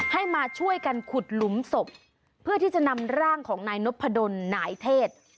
มาช่วยกันขุดหลุมศพเพื่อที่จะนำร่างของนายนพดลนายเทศ